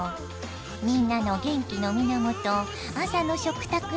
みんなの元気の源朝の食卓に密着。